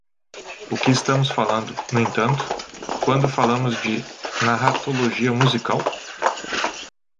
O que estamos falando, no entanto, quando falamos de narratologia musical?